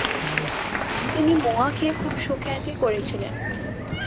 তিনি মোয়া খেয়ে খুব সুখ্যাতি করেছিলেন।